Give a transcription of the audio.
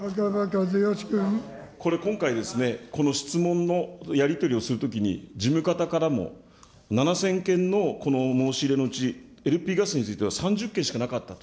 これ今回、この質問のやり取りをするときに、事務方からも、７０００件のこの申し入れのうち、ＬＰガスについては３０件しかなかったと。